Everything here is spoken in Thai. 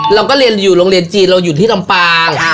เราก็เรียนอยู่โรงเรียนจีนเราอยู่ที่ลำปาง